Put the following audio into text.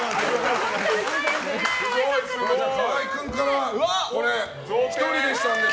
河合君から、これ１人でしたので。